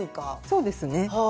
そうですねはい。